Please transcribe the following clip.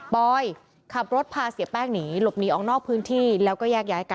ปอยขับรถพาเสียแป้งหนีหลบหนีออกนอกพื้นที่แล้วก็แยกย้ายกัน